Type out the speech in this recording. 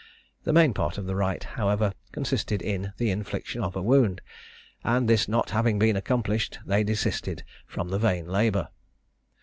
The main part of the rite, however, consisted in the infliction of a wound; and this not having been accomplished, they desisted from the vain labour.